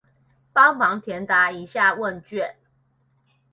幫忙填答一下問卷